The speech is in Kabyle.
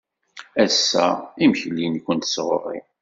Ass-a, imekli-nwent sɣur-i.